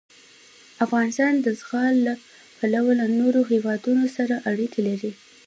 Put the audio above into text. افغانستان د زغال له پلوه له نورو هېوادونو سره اړیکې لري.